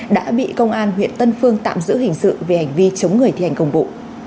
đã bị công an huyện tân phương tạm giữ hình sự về hành vi chống người thi hành công vụ